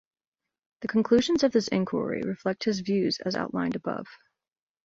The conclusions of this inquiry reflect his views as outlined above.